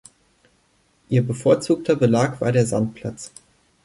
Ihr bevorzugter Belag war der Sandplatz.